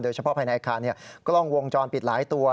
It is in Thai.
เฉพาะภายในอาคารกล้องวงจรปิดหลายตัว